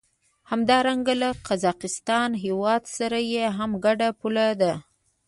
همدارنګه له قزاقستان هېواد سره یې هم ګډه پوله ده.